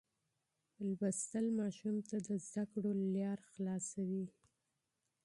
مطالعه ماشوم ته د علم لاره پرانیزي.